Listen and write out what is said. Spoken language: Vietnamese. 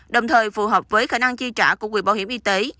đồng thời phù hợp với khả năng chi trả của quỹ bảo hiểm y tế